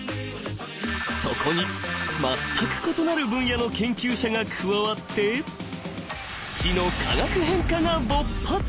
そこに全く異なる分野の研究者が加わって知の化学変化が勃発！